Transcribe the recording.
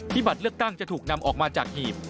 บัตรเลือกตั้งจะถูกนำออกมาจากหีบ